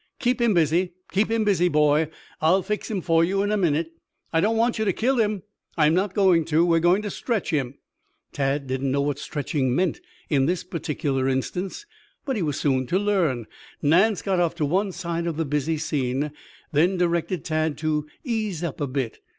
"Keep him busy, keep him busy, boy. I'll fix him for you in a minute." "I don't want you to kill him." "I'm not going to. We've got to stretch him." Tad did not know what stretching meant in this particular instance, but he was soon to learn. Nance got off to one side of the busy scene, then directed Tad to ease up a bit.